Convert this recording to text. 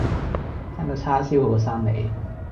生舊叉燒好過生你